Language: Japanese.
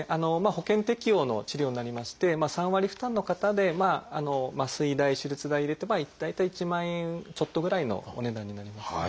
保険適用の治療になりまして３割負担の方で麻酔代手術代入れて大体１万円ちょっとぐらいのお値段になります。